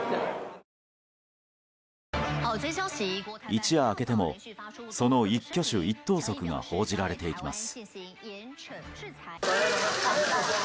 一夜明けてもその一挙手一投足が報じられていきます。